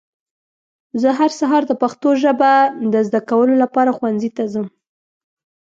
زه هر سهار د پښتو ژبه د ذده کولو لپاره ښونځي ته ځم.